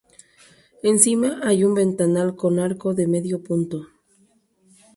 Encima hay un ventanal con arco de medio punto.